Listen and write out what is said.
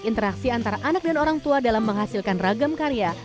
interaksi antara anak dan orang tua dalam menghasilkan ragam karya